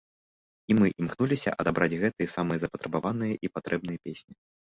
І мы імкнуліся адабраць гэтыя самыя запатрабаваныя і патрэбныя песні.